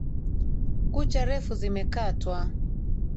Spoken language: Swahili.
Kucha refu zimekatwa.